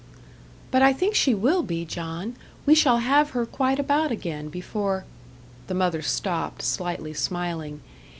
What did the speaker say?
"But I think she will be, John. We shall have her quite about again, before " The mother stopped, slightly smiling.